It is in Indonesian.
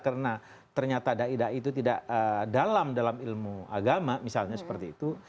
karena ternyata da'i da'i itu tidak dalam dalam ilmu agama misalnya seperti itu